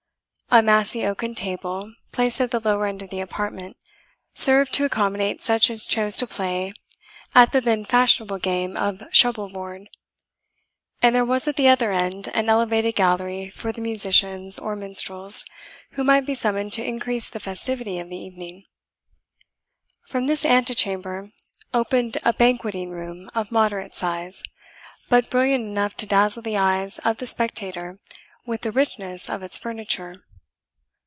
A massy oaken table, placed at the lower end of the apartment, served to accommodate such as chose to play at the then fashionable game of shovel board; and there was at the other end an elevated gallery for the musicians or minstrels, who might be summoned to increase the festivity of the evening. From this antechamber opened a banqueting room of moderate size, but brilliant enough to dazzle the eyes of the spectator with the richness of its furniture.